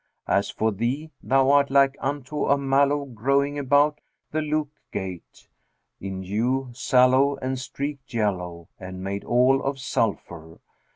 As for thee, thou art like unto a mallow growing about the Lъk Gate;[FN#383] in hue sallow and streaked yellow and made all of sulphur.